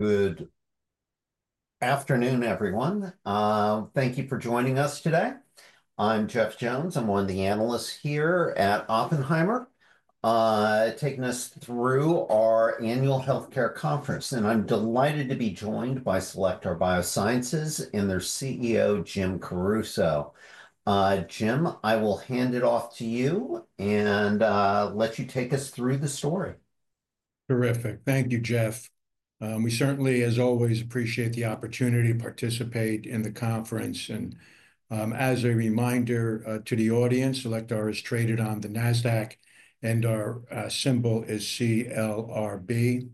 Good afternoon, everyone. Thank you for joining us today. I'm Jeff Jones. I'm one of the analysts here at Oppenheimer, taking us through our annual healthcare conference, and I'm delighted to be joined by Cellectar Biosciences and their CEO, Jim Caruso. Jim, I will hand it off to you and let you take us through the story. Terrific. Thank you, Jeff. We certainly, as always, appreciate the opportunity to participate in the conference. As a reminder to the audience, Cellectar is traded on the NASDAQ, and our symbol is CLRB.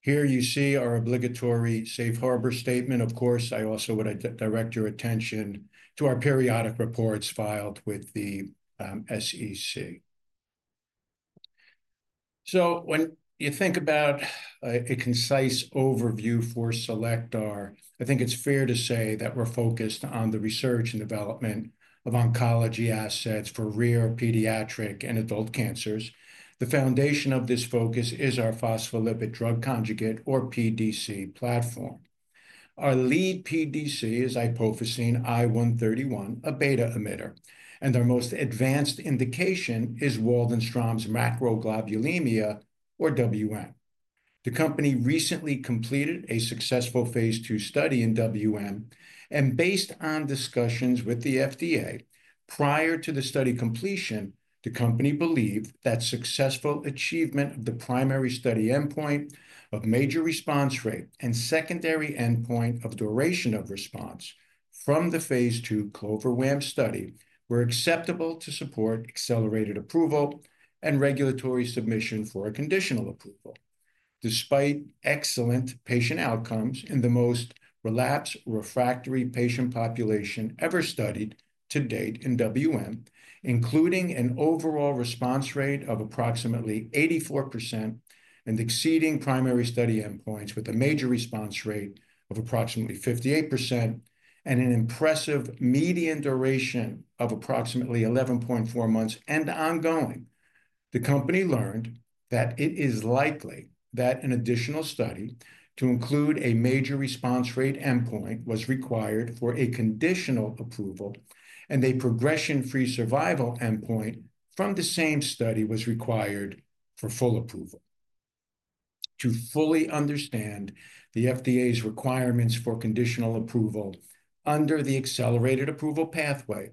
Here you see our obligatory safe harbor statement. Of course, I also would direct your attention to our periodic reports filed with the SEC. When you think about a concise overview for Cellectar, I think it's fair to say that we're focused on the research and development of oncology assets for rare pediatric and adult cancers. The foundation of this focus is our phospholipid drug conjugate, or PDC, platform. Our lead PDC is iopofosine I 131, a beta emitter, and our most advanced indication is Waldenstrom's macroglobulinemia, or WM. The company recently completed a successful phase two study in WM, and based on discussions with the FDA, prior to the study completion, the company believed that successful achievement of the primary study endpoint of major response rate and secondary endpoint of duration of response from the phase two CLOVER-WaM study were acceptable to support accelerated approval and regulatory submission for a conditional approval. Despite excellent patient outcomes in the most relapsed refractory patient population ever studied to date in WM, including an overall response rate of approximately 84% and exceeding primary study endpoints with a major response rate of approximately 58% and an impressive median duration of approximately 11.4 months and ongoing, the company learned that it is likely that an additional study to include a major response rate endpoint was required for a conditional approval, and a progression-free survival endpoint from the same study was required for full approval. To fully understand the FDA's requirements for conditional approval under the accelerated approval pathway,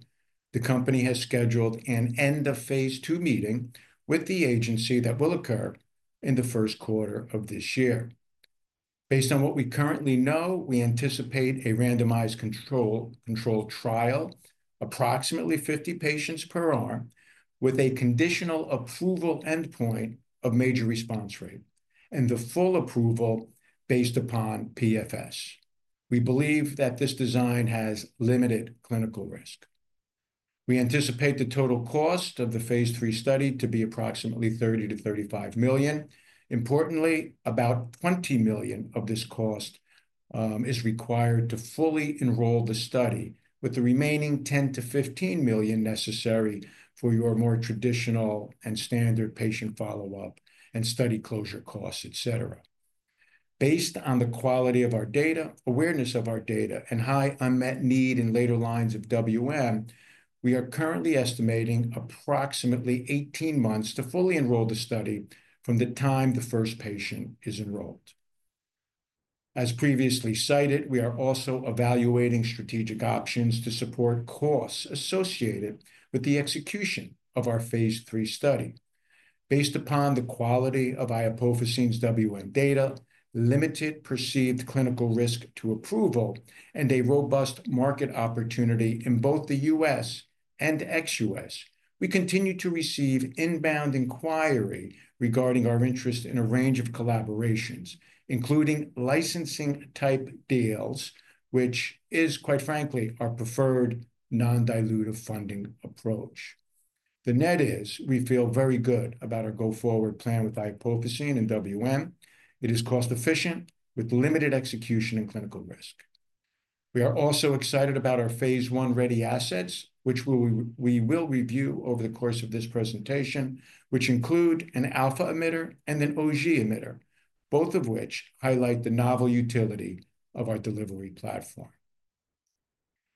the company has scheduled an end-of-phase two meeting with the agency that will occur in the first quarter of this year. Based on what we currently know, we anticipate a randomized control trial, approximately 50 patients per arm, with a conditional approval endpoint of major response rate and the full approval based upon PFS. We believe that this design has limited clinical risk. We anticipate the total cost of the phase three study to be approximately $30 million-$35 million. Importantly, about $20 million of this cost is required to fully enroll the study, with the remaining $10 million-$15 million necessary for your more traditional and standard patient follow-up and study closure costs, et cetera. Based on the quality of our data, awareness of our data, and high unmet need in later lines of WM, we are currently estimating approximately 18 months to fully enroll the study from the time the first patient is enrolled. As previously cited, we are also evaluating strategic options to support costs associated with the execution of our phase three study. Based upon the quality of iopofosine's WM data, limited perceived clinical risk to approval, and a robust market opportunity in both the US and ex-US, we continue to receive inbound inquiry regarding our interest in a range of collaborations, including licensing type deals, which is, quite frankly, our preferred non-dilutive funding approach. The net is we feel very good about our go-forward plan with iopofosine and WM. It is cost-efficient with limited execution and clinical risk. We are also excited about our phase one ready assets, which we will review over the course of this presentation, which include an alpha emitter and an Auger emitter, both of which highlight the novel utility of our delivery platform.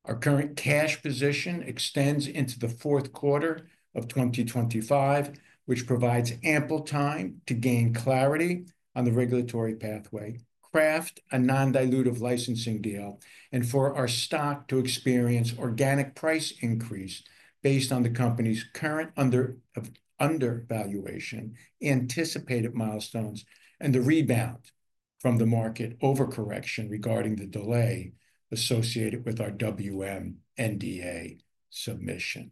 Our current cash position extends into the fourth quarter of 2025, which provides ample time to gain clarity on the regulatory pathway, craft a non-dilutive licensing deal, and for our stock to experience organic price increase based on the company's current undervaluation, anticipated milestones, and the rebound from the market overcorrection regarding the delay associated with our WM NDA submission.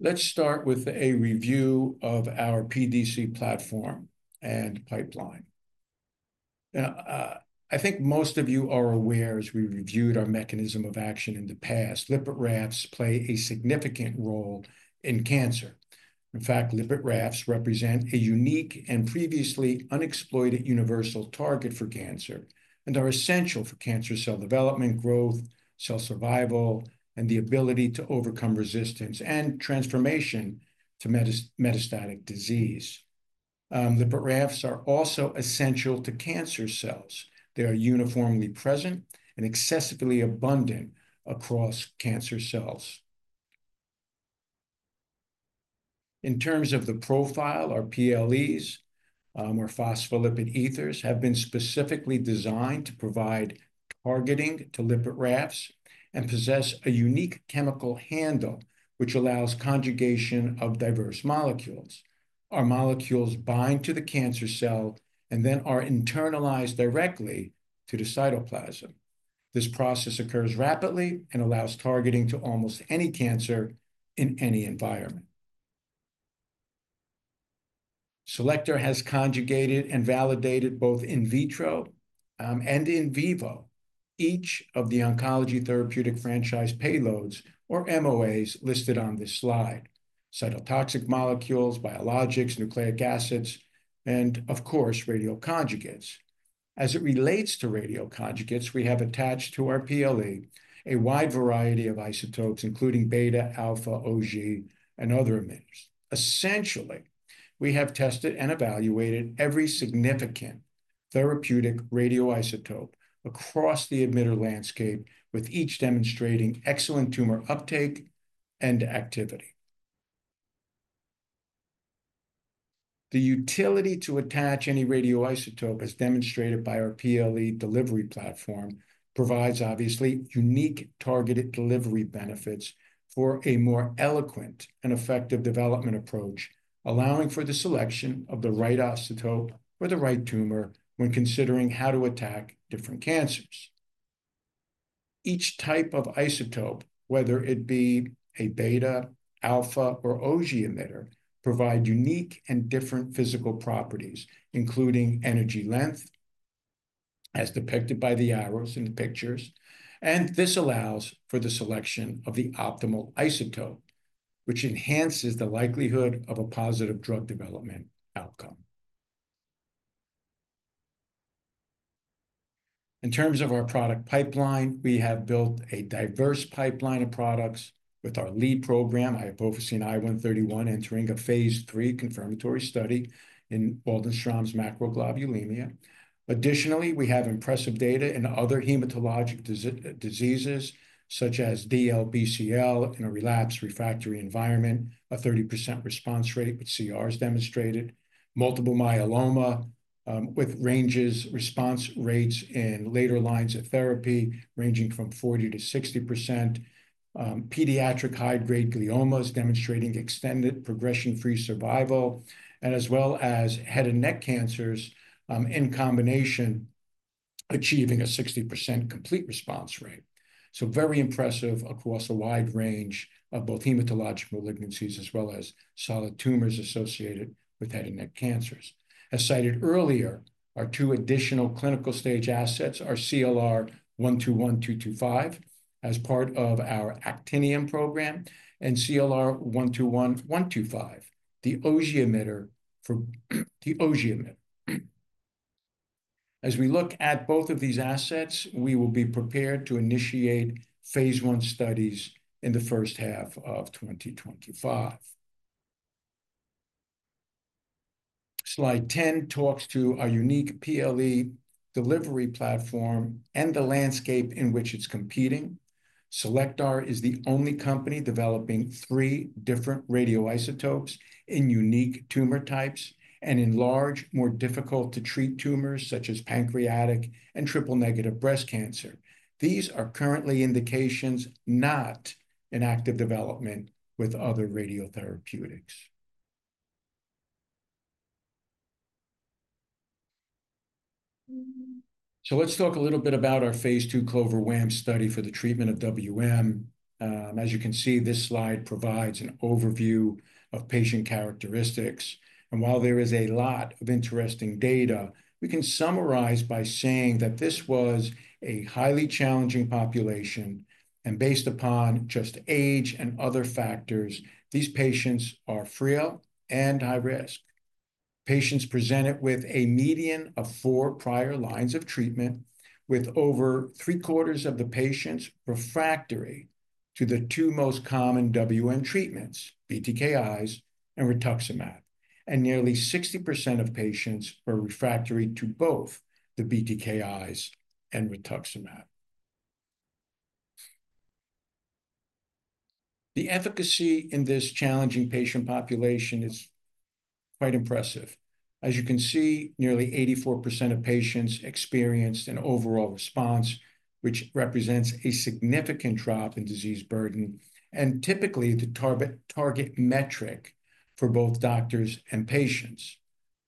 Let's start with a review of our PDC platform and pipeline. I think most of you are aware as we reviewed our mechanism of action in the past, lipid rafts play a significant role in cancer. In fact, lipid rafts represent a unique and previously unexploited universal target for cancer and are essential for cancer cell development, growth, cell survival, and the ability to overcome resistance and transformation to metastatic disease. Lipid rafts are also essential to cancer cells. They are uniformly present and excessively abundant across cancer cells. In terms of the profile, our PLEs, or phospholipid ethers, have been specifically designed to provide targeting to lipid rafts and possess a unique chemical handle, which allows conjugation of diverse molecules. Our molecules bind to the cancer cell and then are internalized directly to the cytoplasm. This process occurs rapidly and allows targeting to almost any cancer in any environment. Cellectar has conjugated and validated both in vitro and in vivo each of the oncology therapeutic franchise payloads, or MOAs, listed on this slide: cytotoxic molecules, biologics, nucleic acids, and of course, radioconjugates. As it relates to radioconjugates, we have attached to our PLE a wide variety of isotopes, including beta, alpha, Auger, and other emitters. Essentially, we have tested and evaluated every significant therapeutic radioisotope across the emitter landscape, with each demonstrating excellent tumor uptake and activity. The utility to attach any radioisotope, as demonstrated by our PLE delivery platform, provides obviously unique targeted delivery benefits for a more elegant and effective development approach, allowing for the selection of the right isotope or the right tumor when considering how to attack different cancers. Each type of isotope, whether it be a beta, alpha, or Auger emitter, provides unique and different physical properties, including energy length, as depicted by the arrows in the pictures, and this allows for the selection of the optimal isotope, which enhances the likelihood of a positive drug development outcome. In terms of our product pipeline, we have built a diverse pipeline of products with our lead program, iopofosine I 131, entering a phase three confirmatory study in Waldenstrom's macroglobulinemia. Additionally, we have impressive data in other hematologic diseases such as DLBCL in a relapsed refractory environment, a 30% response rate with CRs demonstrated, multiple myeloma with ranges, response rates in later lines of therapy ranging from 40-60%, pediatric high-grade gliomas demonstrating extended progression-free survival, as well as head and neck cancers in combination, achieving a 60% complete response rate. Very impressive across a wide range of both hematologic malignancies as well as solid tumors associated with head and neck cancers. As cited earlier, our two additional clinical stage assets are CLR 121225 as part of our actinium program and CLR 121125, the Auger emitter. As we look at both of these assets, we will be prepared to initiate phase one studies in the first half of 2025. Slide 10 talks to our unique PLE delivery platform and the landscape in which it's competing. Cellectar is the only company developing three different radioisotopes in unique tumor types and in large, more difficult-to-treat tumors such as pancreatic and triple-negative breast cancer. These are currently indications not in active development with other radiotherapeutics. Let's talk a little bit about our phase two CLOVER-WaM study for the treatment of WM. As you can see, this slide provides an overview of patient characteristics. While there is a lot of interesting data, we can summarize by saying that this was a highly challenging population, and based upon just age and other factors, these patients are frail and high risk. Patients presented with a median of four prior lines of treatment, with over three quarters of the patients refractory to the two most common WM treatments, BTKIs and rituximab, and nearly 60% of patients were refractory to both the BTKIs and rituximab. The efficacy in this challenging patient population is quite impressive. As you can see, nearly 84% of patients experienced an overall response, which represents a significant drop in disease burden and typically the target metric for both doctors and patients.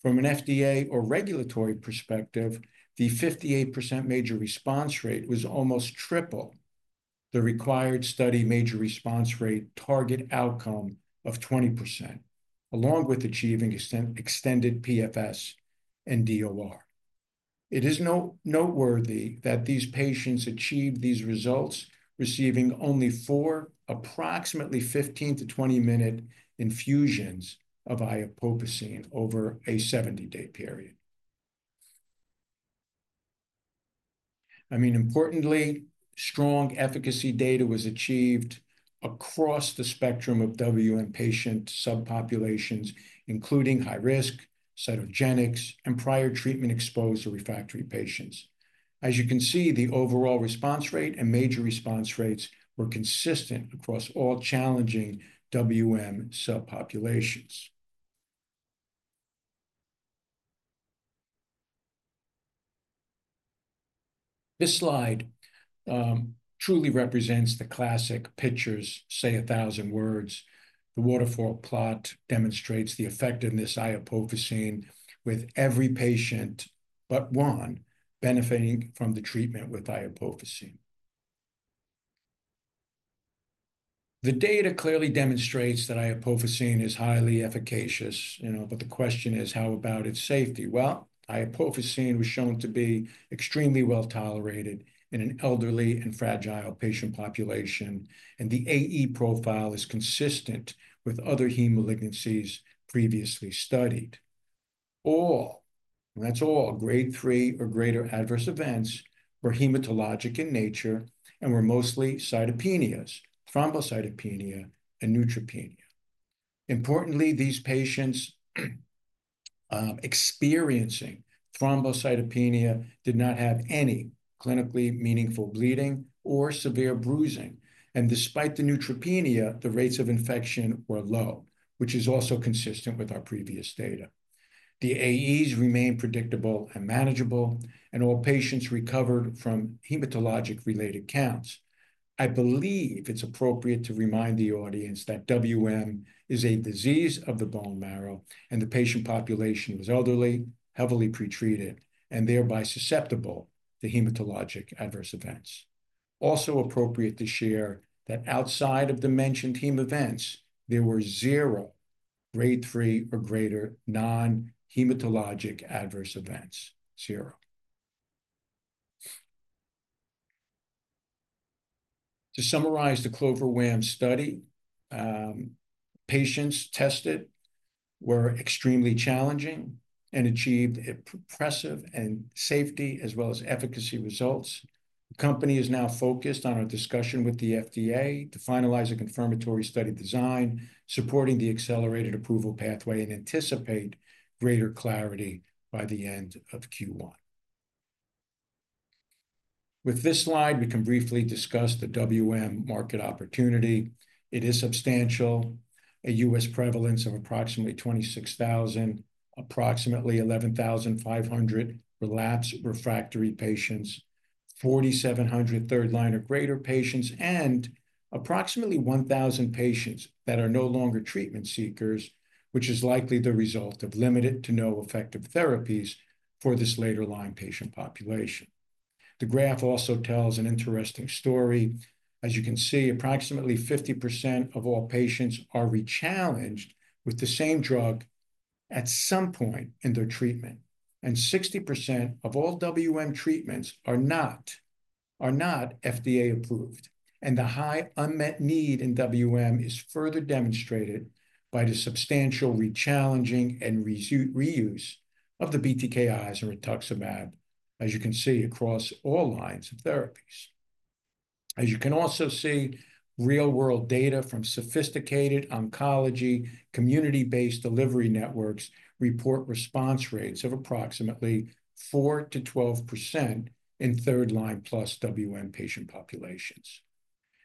From an FDA or regulatory perspective, the 58% major response rate was almost triple the required study major response rate target outcome of 20%, along with achieving extended PFS and DOR. It is noteworthy that these patients achieved these results receiving only four approximately 15-20 minute infusions of iopofosine I 131 over a 70-day period. I mean, importantly, strong efficacy data was achieved across the spectrum of WM patient subpopulations, including high-risk cytogenetics and prior treatment-exposed or refractory patients. As you can see, the overall response rate and major response rates were consistent across all challenging WM subpopulations. This slide truly represents the classic pictures, say, a thousand words. The waterfall plot demonstrates the effectiveness of iopofosine with every patient but one benefiting from the treatment with iopofosine. The data clearly demonstrates that iopofosine is highly efficacious. You know, but the question is, how about its safety? Iopofosine was shown to be extremely well tolerated in an elderly and fragile patient population, and the AE profile is consistent with other heme malignancies previously studied. All, and that's all grade three or greater adverse events were hematologic in nature and were mostly cytopenias, thrombocytopenia, and neutropenia. Importantly, these patients experiencing thrombocytopenia did not have any clinically meaningful bleeding or severe bruising. Despite the neutropenia, the rates of infection were low, which is also consistent with our previous data. The AEs remained predictable and manageable, and all patients recovered from hematologic-related counts. I believe it's appropriate to remind the audience that WM is a disease of the bone marrow, and the patient population was elderly, heavily pretreated, and thereby susceptible to hematologic adverse events. Also appropriate to share that outside of the mentioned heme events, there were zero grade three or greater non-hematologic adverse events. Zero. To summarize the CLOVER-WaM study, patients tested were extremely challenging and achieved impressive safety as well as efficacy results. The company is now focused on our discussion with the FDA to finalize a confirmatory study design supporting the accelerated approval pathway and anticipate greater clarity by the end of Q1. With this slide, we can briefly discuss the WM market opportunity. It is substantial. A US prevalence of approximately 26,000, approximately 11,500 relapsed refractory patients, 4,700 third-line or greater patients, and approximately 1,000 patients that are no longer treatment seekers, which is likely the result of limited to no effective therapies for this later line patient population. The graph also tells an interesting story. As you can see, approximately 50% of all patients are rechallenged with the same drug at some point in their treatment, and 60% of all WM treatments are not FDA approved. The high unmet need in WM is further demonstrated by the substantial rechallenging and reuse of the BTKIs and rituximab, as you can see across all lines of therapies. As you can also see, real-world data from sophisticated oncology community-based delivery networks report response rates of approximately 4-12% in third-line plus WM patient populations.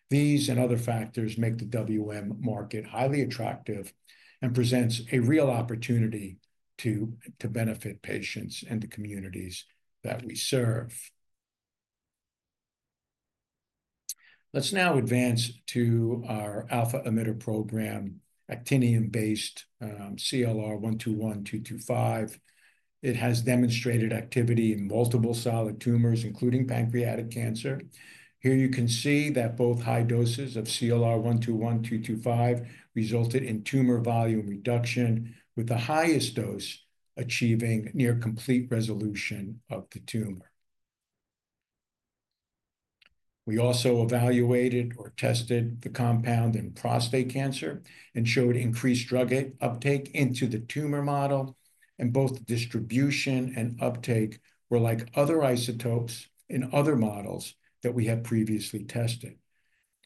These and other factors make the WM market highly attractive and present a real opportunity to benefit patients and the communities that we serve. Let's now advance to our alpha emitter program, actinium-based CLR 121225. It has demonstrated activity in multiple solid tumors, including pancreatic cancer. Here you can see that both high doses of CLR 121225 resulted in tumor volume reduction, with the highest dose achieving near complete resolution of the tumor. We also evaluated or tested the compound in prostate cancer and showed increased drug uptake into the tumor model, and both distribution and uptake were like other isotopes in other models that we have previously tested.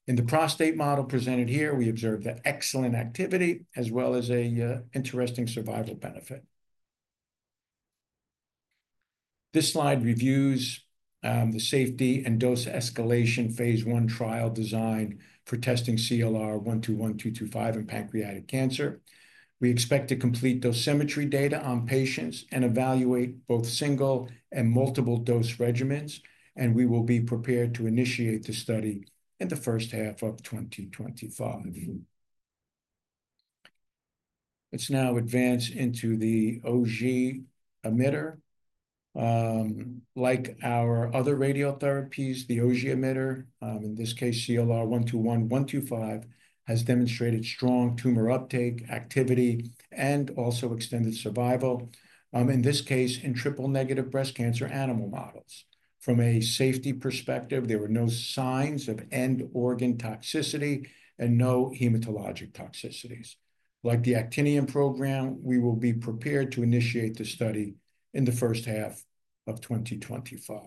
In the prostate model presented here, we observed excellent activity as well as an interesting survival benefit. This slide reviews the safety and dose escalation phase one trial design for testing CLR 121225 in pancreatic cancer. We expect to complete dosimetry data on patients and evaluate both single and multiple dose regimens, and we will be prepared to initiate the study in the first half of 2025. Let's now advance into the Auger emitter. Like our other radiotherapies, the Auger emitter, in this case, CLR 121125, has demonstrated strong tumor uptake, activity, and also extended survival, in this case, in triple-negative breast cancer animal models. From a safety perspective, there were no signs of end-organ toxicity and no hematologic toxicities. Like the actinium program, we will be prepared to initiate the study in the first half of 2025.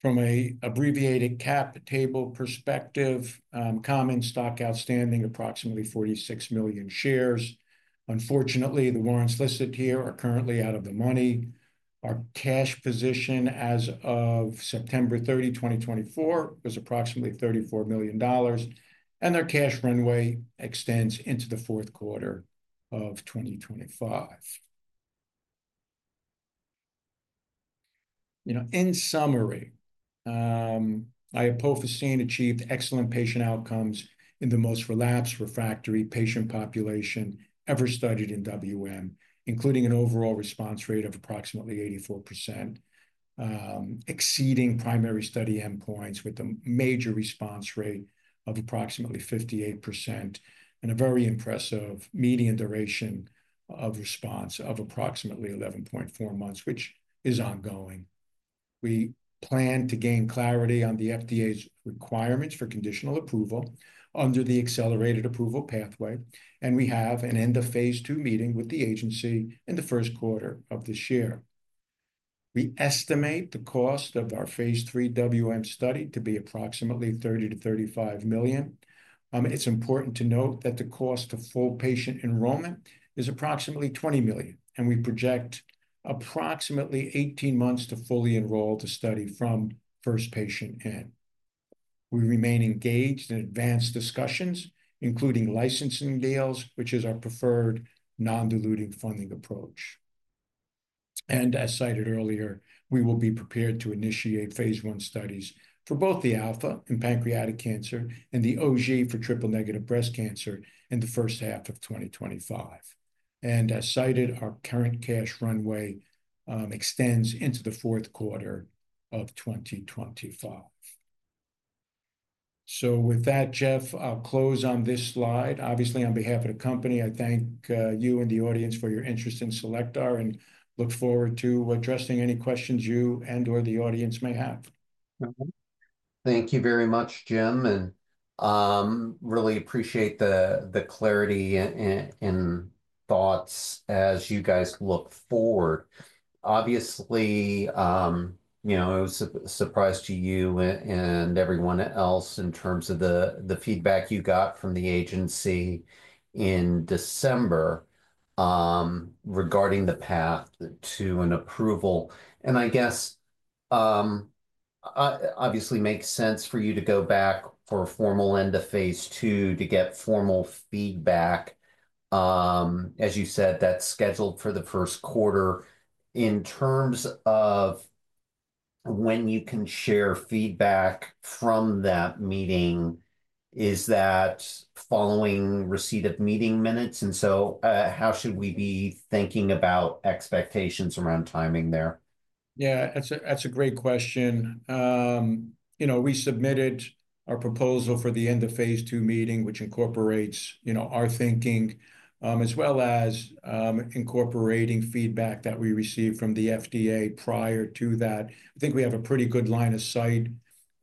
From an abbreviated cap table perspective, common stock outstanding approximately 46 million shares. Unfortunately, the warrants listed here are currently out of the money. Our cash position as of September 30, 2024, was approximately $34 million, and our cash runway extends into the fourth quarter of 2025. You know, in summary, iopofosine I 131 achieved excellent patient outcomes in the most relapsed refractory patient population ever studied in WM, including an overall response rate of approximately 84%, exceeding primary study endpoints with a major response rate of approximately 58% and a very impressive median duration of response of approximately 11.4 months, which is ongoing. We plan to gain clarity on the FDA's requirements for conditional approval under the accelerated approval pathway, and we have an end-of-phase two meeting with the agency in the first quarter of this year. We estimate the cost of our phase three WM study to be approximately $30 million-$35 million. It's important to note that the cost of full patient enrollment is approximately $20 million, and we project approximately 18 months to fully enroll the study from first patient in. We remain engaged in advanced discussions, including licensing deals, which is our preferred non-dilutive funding approach. As cited earlier, we will be prepared to initiate phase one studies for both the alpha in pancreatic cancer and the Auger for triple-negative breast cancer in the first half of 2025. As cited, our current cash runway extends into the fourth quarter of 2025. With that, Jeff, I'll close on this slide. Obviously, on behalf of the company, I thank you and the audience for your interest in Cellectar and look forward to addressing any questions you and/or the audience may have. Thank you very much, Jim, and really appreciate the clarity and thoughts as you guys look forward. Obviously, you know, it was a surprise to you and everyone else in terms of the feedback you got from the agency in December regarding the path to an approval. It obviously makes sense for you to go back for a formal end-of-phase two to get formal feedback. As you said, that's scheduled for the first quarter. In terms of when you can share feedback from that meeting, is that following receipt of meeting minutes? How should we be thinking about expectations around timing there? Yeah, that's a great question. You know, we submitted our proposal for the end-of-phase two meeting, which incorporates, you know, our thinking as well as incorporating feedback that we received from the FDA prior to that. I think we have a pretty good line of sight,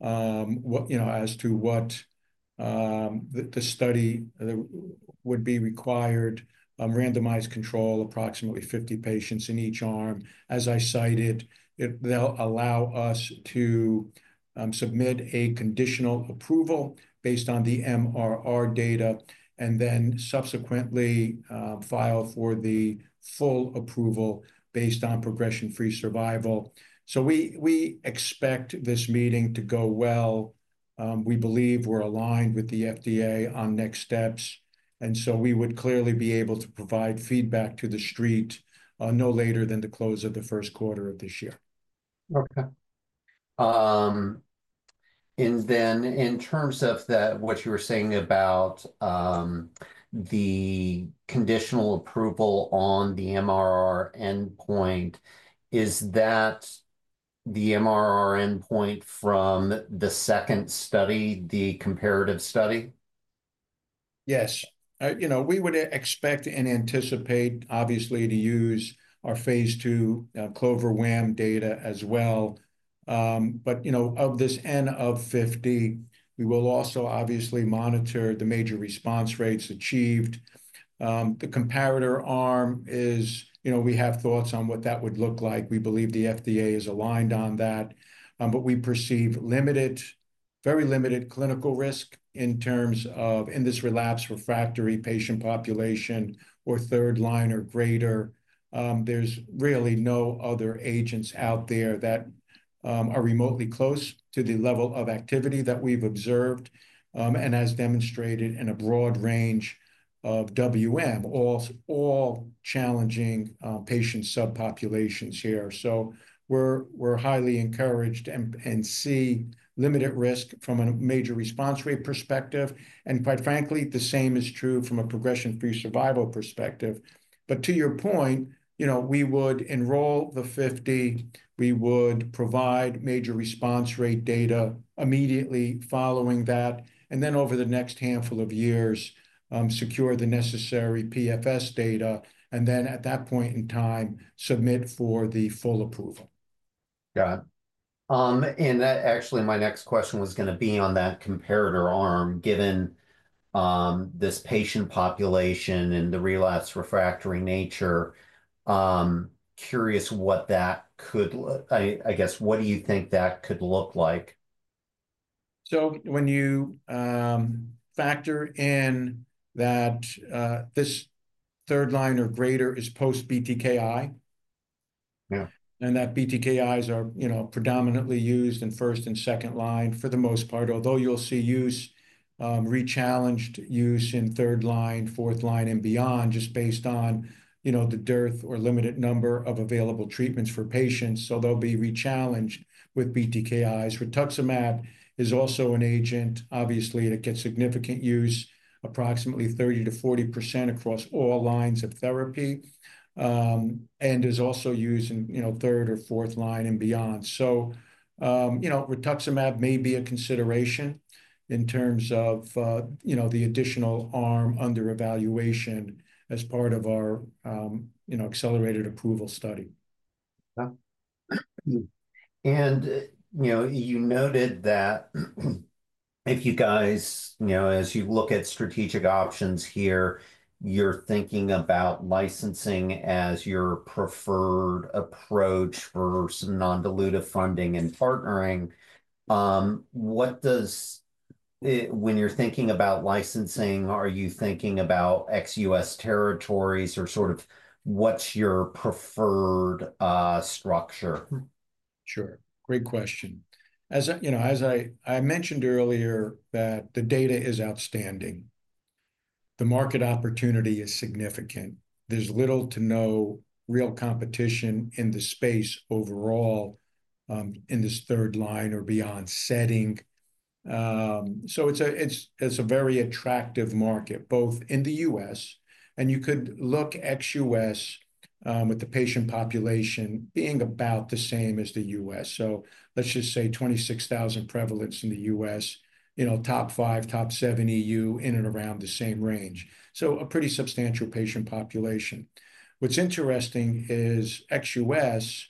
you know, as to what the study would be required. Randomized control, approximately 50 patients in each arm. As I cited, they'll allow us to submit a conditional approval based on the MRR data and then subsequently file for the full approval based on progression-free survival. We expect this meeting to go well. We believe we're aligned with the FDA on next steps, and we would clearly be able to provide feedback to the street no later than the close of the first quarter of this year. Okay. In terms of what you were saying about the conditional approval on the MRR endpoint, is that the MRR endpoint from the second study, the comparative study? Yes. You know, we would expect and anticipate, obviously, to use our phase two CLOVER-WaM data as well. You know, of this N of 50, we will also obviously monitor the major response rates achieved. The comparator arm is, you know, we have thoughts on what that would look like. We believe the FDA is aligned on that, but we perceive limited, very limited clinical risk in terms of in this relapsed refractory patient population or third-line or greater. There's really no other agents out there that are remotely close to the level of activity that we've observed and has demonstrated in a broad range of WM, all challenging patient subpopulations here. So we're highly encouraged and see limited risk from a major response rate perspective. And quite frankly, the same is true from a progression-free survival perspective. But to your point, you know, we would enroll the 50, we would provide major response rate data immediately following that, and then over the next handful of years, secure the necessary PFS data, and then at that point in time, submit for the full approval. Got it. That actually, my next question was going to be on that comparator arm. Given this patient population and the relapsed refractory nature, curious what that could, I guess, what do you think that could look like? When you factor in that this third-line or greater is post-BTKI, yeah, and that BTKIs are, you know, predominantly used in first and second line for the most part, although you'll see rechallenged use in third line, fourth line, and beyond just based on, you know, the dearth or limited number of available treatments for patients. They'll be rechallenged with BTKIs. Rituximab is also an agent, obviously, that gets significant use, approximately 30-40% across all lines of therapy, and is also used in, you know, third or fourth line and beyond. You know, rituximab may be a consideration in terms of, you know, the additional arm under evaluation as part of our, you know, accelerated approval study. Okay. You know, you noted that if you guys, you know, as you look at strategic options here, you're thinking about licensing as your preferred approach for some non-dilutive funding and partnering. What does, when you're thinking about licensing, are you thinking about ex-US territories or sort of what's your preferred structure? Sure. Great question. As I, you know, as I mentioned earlier, the data is outstanding. The market opportunity is significant. There's little to no real competition in the space overall in this third line or beyond setting. It's a very attractive market, both in the US, and you could look ex-US with the patient population being about the same as the US. Let's just say 26,000 prevalence in the US, you know, top five, top seven EU, in and around the same range. A pretty substantial patient population. What's interesting is ex-US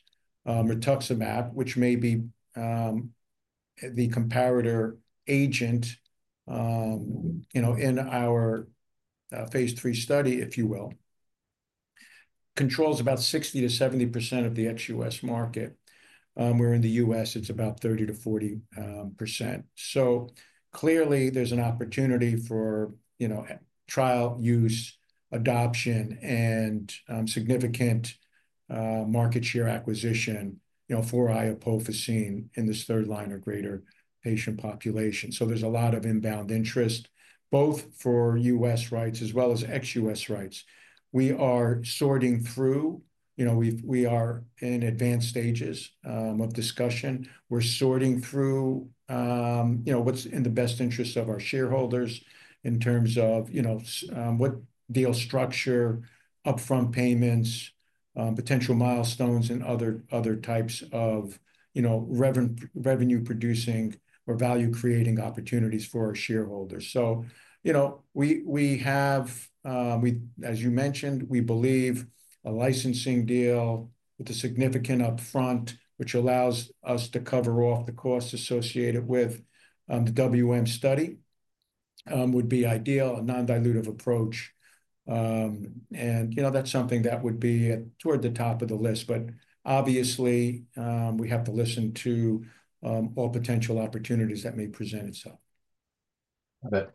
rituximab, which may be the comparator agent, you know, in our phase three study, if you will, controls about 60-70% of the ex-US market. Where in the US, it's about 30-40%. Clearly, there's an opportunity for, you know, trial use, adoption, and significant market share acquisition, you know, for iopofosine I 131 in this third-line or greater patient population. There's a lot of inbound interest, both for US rights as well as ex-US rights. We are sorting through, you know, we are in advanced stages of discussion. We're sorting through, you know, what's in the best interest of our shareholders in terms of, you know, what deal structure, upfront payments, potential milestones, and other types of, you know, revenue-producing or value-creating opportunities for our shareholders. You know, we have, as you mentioned, we believe a licensing deal with a significant upfront, which allows us to cover off the cost associated with the WM study, would be ideal, a non-dilutive approach. You know, that's something that would be toward the top of the list. Obviously, we have to listen to all potential opportunities that may present itself. Got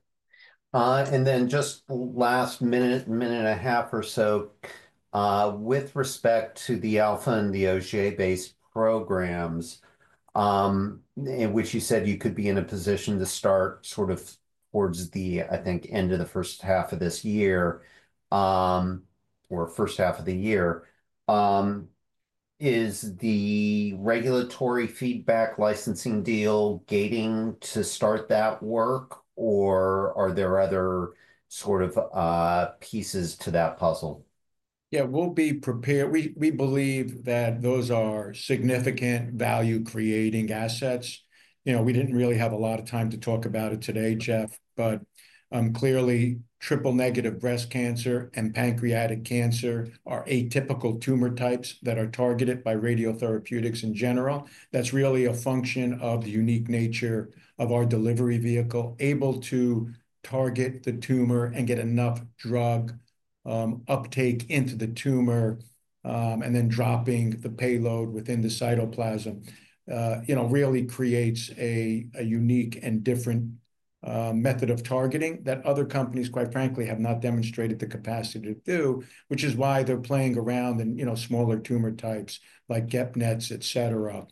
it. Just last minute, minute and a half or so, with respect to the alpha and the Auger-based programs, in which you said you could be in a position to start sort of towards the, I think, end of the first half of this year or first half of the year, is the regulatory feedback licensing deal gating to start that work, or are there other sort of pieces to that puzzle? Yeah, we'll be prepared. We believe that those are significant value-creating assets. You know, we didn't really have a lot of time to talk about it today, Jeff, but clearly, triple-negative breast cancer and pancreatic cancer are atypical tumor types that are targeted by radiotherapeutics in general. That's really a function of the unique nature of our delivery vehicle, able to target the tumor and get enough drug uptake into the tumor, and then dropping the payload within the cytoplasm, you know, really creates a unique and different method of targeting that other companies, quite frankly, have not demonstrated the capacity to do, which is why they're playing around in, you know, smaller tumor types like GEP-NETs, et cetera.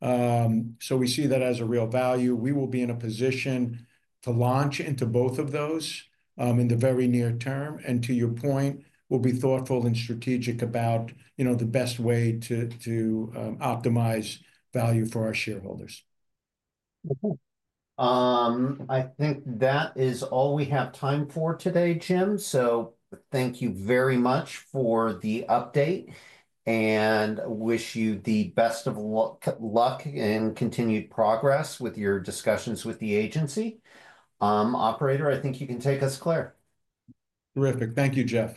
We see that as a real value. We will be in a position to launch into both of those in the very near term. To your point, we'll be thoughtful and strategic about, you know, the best way to optimize value for our shareholders. Okay. I think that is all we have time for today, Jim. Thank you very much for the update and wish you the best of luck and continued progress with your discussions with the agency. Operator, I think you can take us clear. Terrific. Thank you, Jeff.